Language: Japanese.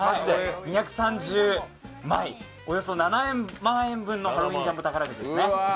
２３０枚、およそ７万円のハロウィンジャンボ宝くじですね。